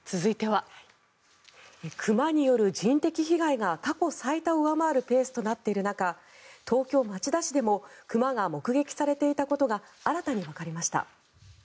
熊による人的被害が過去最多を上回るペースとなっている中東京・町田市でも熊が目撃されていたことが新たにわかりました。